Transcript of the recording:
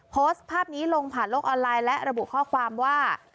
โพสต์ภาพนี้ลงผ่านโลกออนไลน์และระบุข้อความว่า